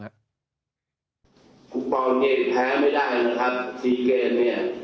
กุบร้อนนี้แพ้ไม่ได้นะครับ๔เกม